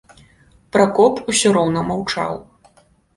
Пракоп усё роўна маўчаў.